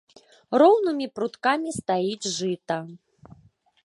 Роўнымі пруткамі стаіць жыта.